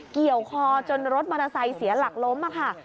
เกี่ยวคอจนรถมอเตอร์ไซค์เสียหลักล้มค่ะ